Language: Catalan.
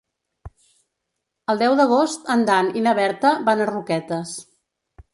El deu d'agost en Dan i na Berta van a Roquetes.